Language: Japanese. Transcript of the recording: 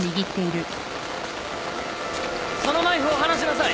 そのナイフを離しなさい。